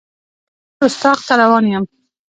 زه رُستاق ته روان یم.